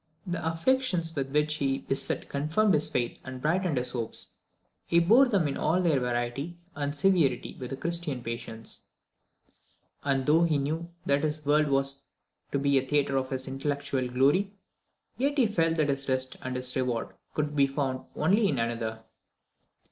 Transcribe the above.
The afflictions with which he was beset confirmed his faith and brightened his hopes: he bore them in all their variety and severity with Christian patience; and though he knew that this world was to be the theatre of his intellectual glory, yet he felt that his rest and his reward could be found only in another.